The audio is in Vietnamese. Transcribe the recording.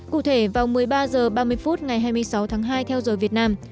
cụ thể vào một mươi ba h ba mươi phút ngày hai mươi sáu tháng hai theo giờ việt nam